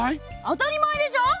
当たり前でしょ！